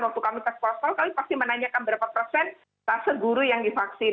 waktu kami teks postal kami pasti menanyakan berapa persen tase guru yang divaksin